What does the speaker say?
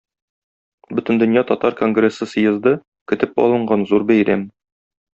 Бөтендөнья татар конгрессы съезды - көтеп алынган зур бәйрәм.